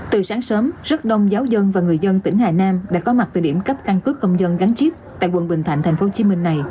từ sáng sớm rất đông giáo dân và người dân tỉnh hà nam đã có mặt tại điểm cấp căn cước công dân gắn chip tại quận bình thạnh tp hcm này